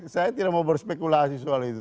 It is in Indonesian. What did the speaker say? saya tidak mau berspekulasi soal itu